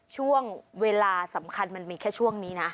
ช่วงเวลาสำคัญมันมีแค่ช่วงนี้นะ